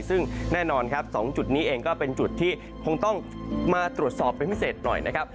ซึ่งแน่นอนครับ๒จุดนี้เองก็เป็นจุดที่คงต้องมาตรวจสอบเป็นพิเศษหน่อยนะครับ